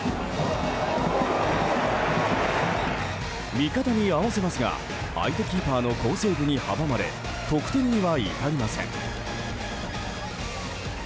味方に合わせますが相手キーパーの好セーブに阻まれ得点には至りません。